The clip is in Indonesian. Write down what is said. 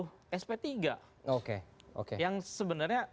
yang sebenarnya makanya itu yang paling penting